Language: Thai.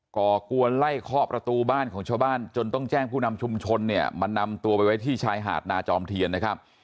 ก่อกวนไล่เคาะประตูบ้านของชาวบ้านจนต้องแจ้งผู้นำชุมชนเนี่ยมานำตัวไปไว้ที่ชายหาดนาจอมเทียนนะครับ